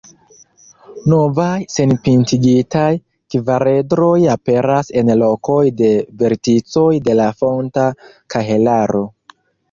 Novaj senpintigitaj kvaredroj aperas en lokoj de verticoj de la fonta kahelaro.